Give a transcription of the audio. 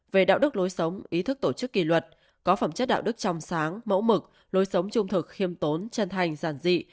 về đạo đức lối sống ý thức tổ chức kỳ luật có phẩm chất đạo đức trong sáng mẫu mực lối sống trung thực khiêm tốn chân thành giản dị